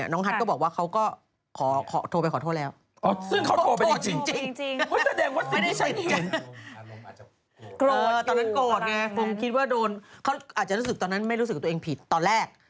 คงคิดว่าอาจจะเกิดโทษต่อกับตัวเองผิดตอนแรก